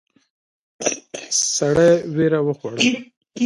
سړی وېره وخوړه.